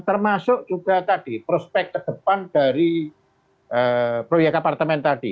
termasuk juga tadi prospek ke depan dari proyek apartemen tadi